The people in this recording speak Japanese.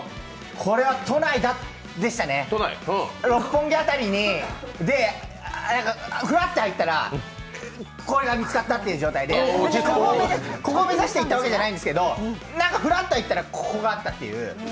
これは都内でしたね、六本木辺りで、ふらって入ったらこれが見つかったという状態でここ目指していったわけじゃないんですけど何かふらっと行ったら、ここがあったという。